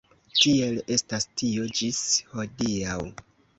Tiel estas tio ĝis hodiaŭ.